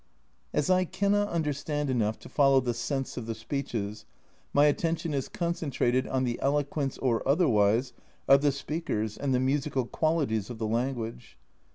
As I cannot understand enough to follow the sense of the speeches, my attention is concentrated on the eloquence or otherwise of the speakers and the musical qualities of the language.